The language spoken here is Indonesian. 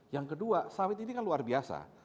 yang kedua sawit ini kan luar biasa